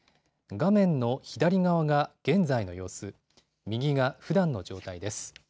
画面の左側が現在の様子、右がふだんの状態です。